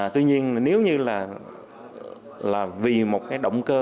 tuy nhiên nếu như là vì một cái động cơ